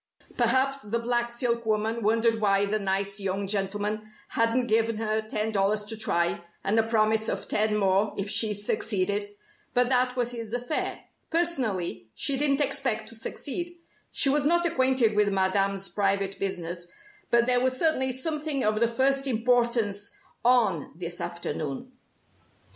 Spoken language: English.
Perhaps the black silk woman wondered why the nice young gentleman hadn't given her ten dollars to try, and a promise of ten more if she succeeded. But that was his affair. Personally, she didn't expect to succeed. She was not acquainted with Madame's private business, but there was certainly something of the first importance "on" this afternoon.